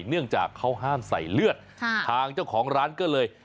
เนื่องจากเขาห้ามใส่เลือดทางเจ้าของร้านก็เลย